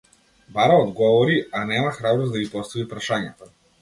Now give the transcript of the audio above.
Бара одговори, а нема храброст да ги постави прашањата.